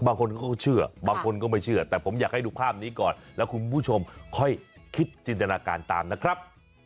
บางคนเขาก็เชื่อบางคนก็ไม่เชื่อแต่ผมอยากให้ดูภาพนี้ก่อนแล้วคุณผู้ชมค่อยคิดจินตนาการตามนะครับ